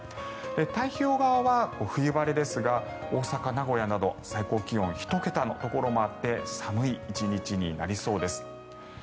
太平洋側は冬晴れですが大阪、名古屋など最高気温１桁のところもあって寒い１日になりそうです。